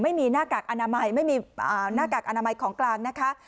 หน้ากากอนามัยไม่มีหน้ากากอนามัยของกลางนะคะ